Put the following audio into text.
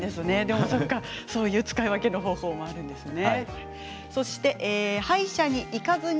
そういう使い分けの方法もあるんですね。